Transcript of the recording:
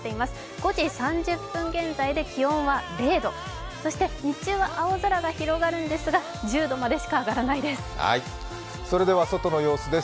５時３０分現在で気温は０度、そして日中は青空が広がるんですがそれでは外の様子です。